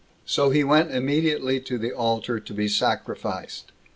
So he went immediately to the altar to be sacrificed.